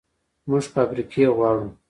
موږ فابریکې غواړو